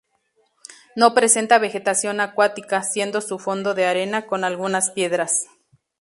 No presenta vegetación acuática, siendo su fondo de arena con algunas piedras.